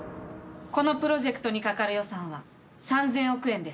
このプロジェクトにかかる予算は３，０００億円です。